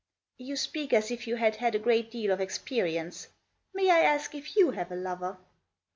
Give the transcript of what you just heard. " You speak as if you had had a great deal of ex perience. May I ask if you have a lover?